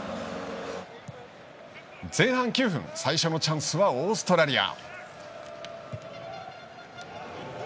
前半９分最初のチャンスはオーストラリア。